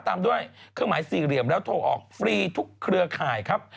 ตามด้วยเครื่องหมายสี่เหลี่ยมแล้วโทรออกฟรีทุกเครือข่ายครับ